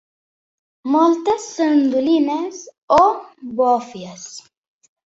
Moltes són dolines o bòfies.